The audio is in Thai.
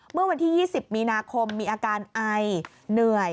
เมื่อวันที่๒๐มีนาคมมีอาการไอเหนื่อย